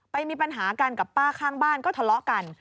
ไปมีปัญหากันกับป้าข้างบ้านก็ทะเลาะกัน